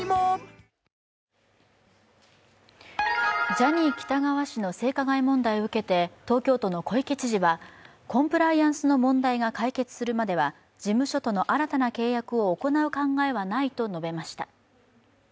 ジャニー喜多川氏の性加害問題を受けて東京都の小池知事はコンプライアンスの問題が解決するまでは事務所との新たな契約を行う考えはないと述べました。